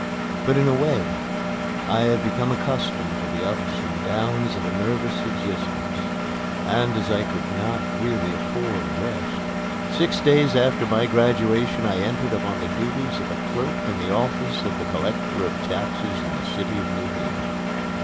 But, in a way, I had become accustomed to the ups and downs of a nervous existence, and, as I could not really afford a rest, six days after my graduation I entered upon the duties of a clerk in the office of the Collector of Taxes in the city of New Haven.